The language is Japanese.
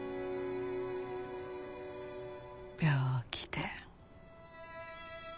病気で。